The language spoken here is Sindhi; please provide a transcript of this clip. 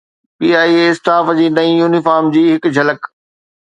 پي آءِ اي اسٽاف جي نئين يونيفارم جي هڪ جھلڪ